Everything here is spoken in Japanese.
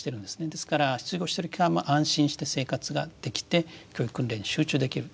ですから失業してる期間も安心して生活ができて教育訓練に集中できる。